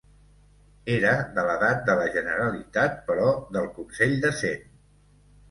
Era de l'edat de la Generalitat però del Consell de cent.